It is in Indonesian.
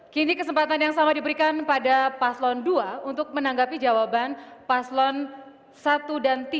kini kesempatan yang sama diberikan pada paslon dua untuk menanggapi jawaban paslon satu dan tiga